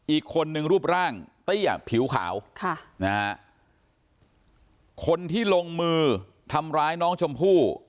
อีกคนนึงรูปร่างเตี้ยผิวขาวค่ะนะฮะคนที่ลงมือทำร้ายน้องชมพู่